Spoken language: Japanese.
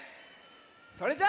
それじゃあ。